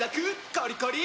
コリコリ！